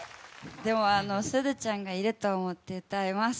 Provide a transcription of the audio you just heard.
でも、すずちゃんがいると思って歌います。